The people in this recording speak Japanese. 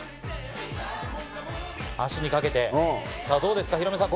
足にかけてさぁどうですかヒロミさん